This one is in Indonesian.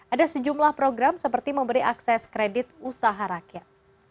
ada sejumlah program seperti memberi akses kredit usaha rakyat